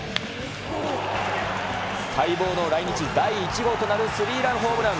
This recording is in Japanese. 待望の来日第１号となる３ランホームラン。